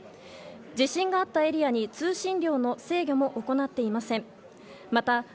地震があったエリアに通信量の制御も行っていません。